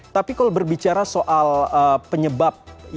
tapi kalau berbicara soal penyebab yang dilakukan